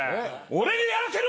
俺にやらせろ